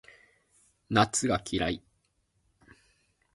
夏が嫌い